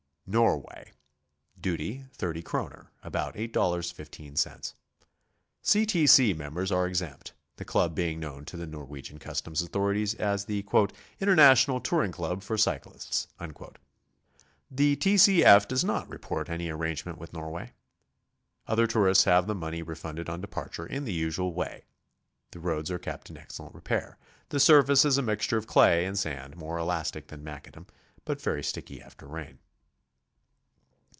NORWAY. Duty, 30 kroner, — about $8.15. C. T. C. members are exempt, the Club being known to the Nor wegian customs authorities as the ''International Touring Club for Cyclists." The T. C. F. does not report any ar rangement with Norway. Other tourists have the money refunded on departure in the usual way. The roads are kept in excellent repair. The surface is a mixture of clay and sand, more elastic than macadam, but very stkky after rain.